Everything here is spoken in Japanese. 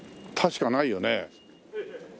確かないよね？